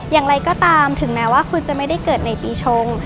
อย่างไรก็ตามถึงแม้ว่าคุณจะไม่ได้เกิดในปีชง